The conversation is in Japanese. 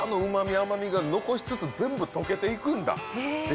甘みが残しつつ全部溶けていくんだへえで